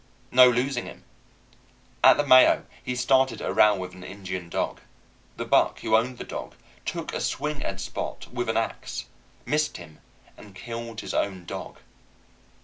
No losing him. At the Mayo he started a row with an Indian dog. The buck who owned the dog took a swing at Spot with an ax, missed him, and killed his own dog.